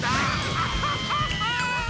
アハハハ！